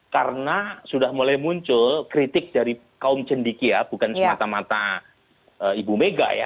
karena sudah mulai muncul kritik dari kaum cendikia bukan semata mata ibu mega ya